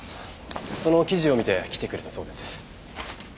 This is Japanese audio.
その記事を見て来てくれたそうです。